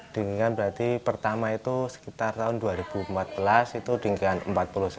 tinggi kan berarti pertama itu sekitar tahun dua ribu empat belas itu tinggi kan empat puluh cm